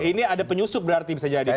ini ada penyusup berarti bisa jadi